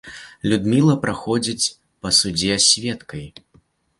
Людміла праходзіць на судзе сведкай.